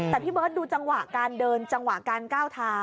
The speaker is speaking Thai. แต่พี่เบิร์ตดูจังหวะการเดินจังหวะการก้าวเท้า